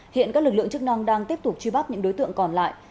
hiện các lực lượng chức năng đang tiếp tục truy bắt những đối tượng còn lại